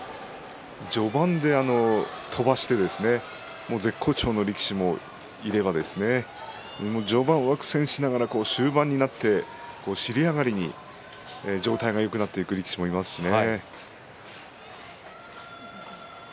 序盤で飛ばして絶好調の力士もいれば序盤は苦戦しながら終盤になって尻上がりに状態がよくなってくる力士もいますしね。